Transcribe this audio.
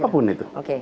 siapa pun itu